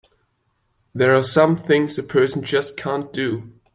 There are some things a person just can't do!